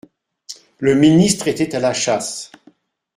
Le ministre était à la chasse.